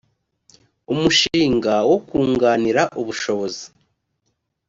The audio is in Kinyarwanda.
umushinga wo kunganira ubushobozi